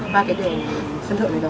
qua cái đường sân thượng này thôi